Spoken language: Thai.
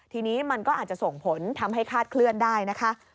ทีนี้มันก็อาจจะส่งผลทำให้คาดเคลื่อนได้นะคะ